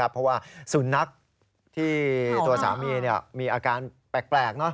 เพราะว่าสุนัขที่ตัวสามีมีอาการแปลก